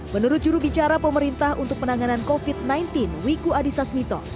menurut jurubicara pemerintah untuk penanganan covid sembilan belas wiku adhisa smito